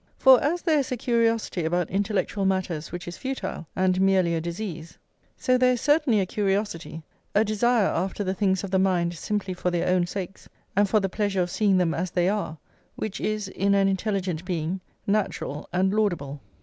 For as there is a curiosity about intellectual matters which is futile, and merely a disease, so there is certainly a curiosity, a desire after the things of the mind simply for their own sakes and for the pleasure of seeing them as they are, which is, in an intelligent being, natural and laudable.